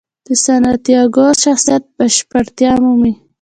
د سانتیاګو شخصیت بشپړتیا مومي.